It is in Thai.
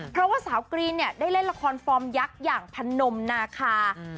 เพราะว่าสาวกรีนเนี่ยได้เล่นละครฟอร์มยักษ์อย่างพนมนาคา